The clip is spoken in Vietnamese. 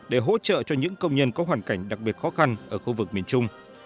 để hỗ trợ cho những công nhân có hoàn cảnh đặc biệt khó khăn ở khu vực miền trung